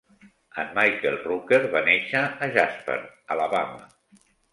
En Michael Rooker va néixer a Jasper, Alabama.